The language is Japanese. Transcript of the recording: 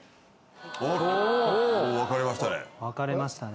おっ分かれましたね。